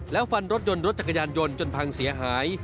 แล้วฟันรถยนต์รถจักรยานยนต์จนพังเสียหาย